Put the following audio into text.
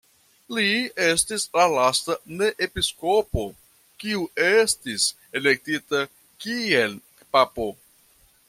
Li estis la lasta ne-episkopo, kiu estis elektita kiel papo.